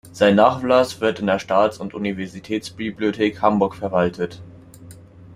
Sein Nachlass wird in der Staats- und Universitätsbibliothek Hamburg verwaltet.